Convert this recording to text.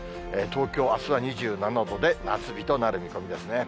東京、あすは２７度で、夏日となる見込みですね。